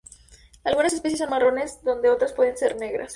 Algunas especies son marrones, donde otras pueden ser negras.